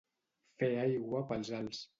Fer aigua pels alts.